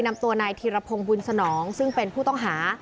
นำตัวนายธีรพงศ์บุญสนองซึ่งเป็นผู้ต้องหา